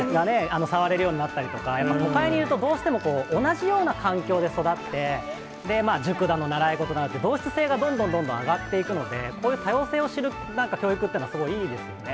触れるようになったりとか、やっぱり都会にいると、どうしても同じような環境で育って、塾だの習い事だのって、同質性がどんどん上がっていくので、こういう多様性を知る教育っていうのはすごいいいですよね。